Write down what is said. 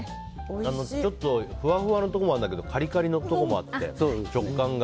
ちょっとふわふわのところもあるんだけどカリカリのところもあって食感が。